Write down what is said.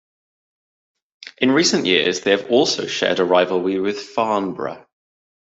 In recent years they have also shared a rivalry with Farnborough.